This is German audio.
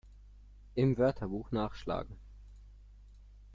Im Wörterbuch nachschlagen!